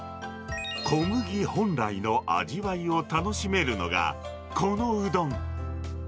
小麦本来の味わいを楽しめるのが、このうどん。